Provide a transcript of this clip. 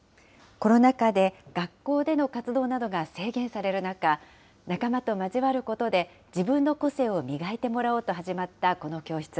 コロナ禍で学校での活動などが制限される中、仲間と交わることで、自分の個性を磨いてもらおうと始まったこの教室。